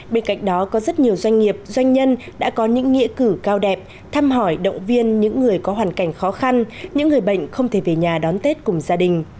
bên cạnh đó có rất nhiều doanh nghiệp doanh nhân đã có những nghĩa cử cao đẹp thăm hỏi động viên những người có hoàn cảnh khó khăn những người bệnh không thể về nhà đón tết cùng gia đình